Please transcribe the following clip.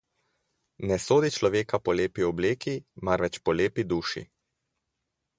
Ne sodi človeka po lepi obleki, marveč po lepi duši.